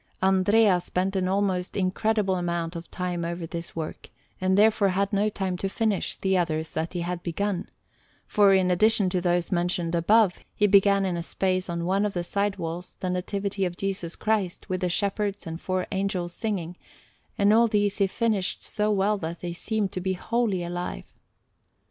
Andrea spent an almost incredible amount of time over this work, and therefore had no time to finish the others that he had begun; for, in addition to those mentioned above, he began in a space on one of the side walls the Nativity of Jesus Christ, with the Shepherds and four Angels singing; and all these he finished so well that they seem to be wholly alive.